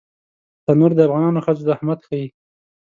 تنور د افغانو ښځو زحمت ښيي